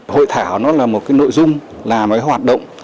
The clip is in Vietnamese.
hội thảo nó là một cái nội dung làm cái hoạt động